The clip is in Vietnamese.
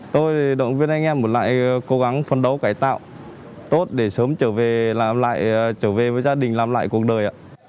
tôi động viên anh em một lại cố gắng phân đấu cải tạo tốt để sớm trở về với gia đình làm lại cuộc đời